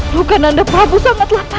luka nanda prabu sangatlah parah